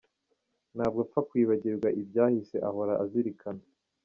Ntabwo apfa kwibagirwa ibyahise ahora azirikana.